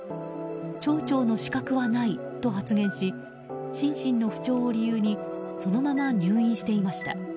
町長の資格はないと発言し心身の不調を理由にそのまま入院していました。